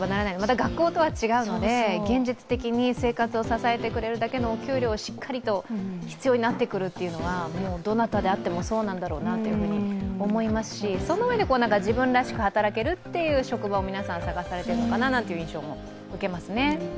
学校とは違うので現実的に生活を支えてくれるだけのお給料がしっかりと必要になってくるというのは、どなたであってもそうなんだろうなと思いますしそのうえで、自分らしく働けるという職場を皆さん探されているという印象を持ちますね。